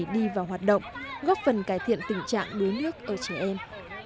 để đi vào hoạt động góp phần cải thiện tình trạng đối nước ở trẻ em